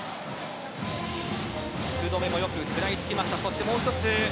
福留もよく食らいつきました。